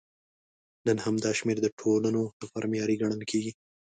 نن هم دا شمېر د ټولنو لپاره معیاري ګڼل کېږي.